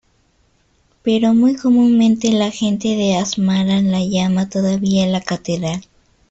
Pero muy comúnmente la gente de Asmara la llama todavía "la catedral".